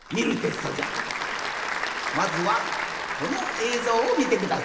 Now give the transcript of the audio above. まずはこのえいぞうをみてください。